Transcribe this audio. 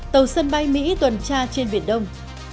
tàu sân bay mỹ tuần tra trên biển đông